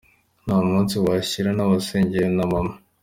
Nta munsi washira ntabasengeye na mama.